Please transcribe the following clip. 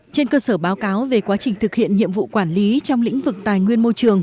trên cơ sở báo cáo về quá trình thực hiện nhiệm vụ quản lý trong lĩnh vực tài nguyên môi trường